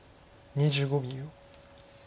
２５秒。